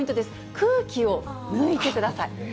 空気を抜いてください。